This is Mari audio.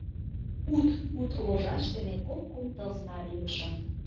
Куд пуд ложаш дене кок-кум тылзе наре илышым.